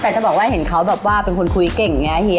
แต่จะบอกว่าเห็นเขาแบบว่าเป็นคนคุยเก่งอย่างนี้เฮี